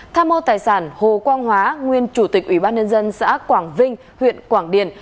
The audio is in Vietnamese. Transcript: tham mô tài sản hồ quang hóa nguyên chủ tịch ủy ban nhân dân xã quảng vinh huyện quảng điền